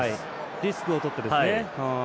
リスクをとってですね。